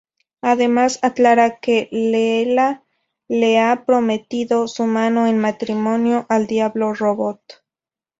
Además, aclara que Leela le ha prometido su mano en matrimonio al Diablo Robot.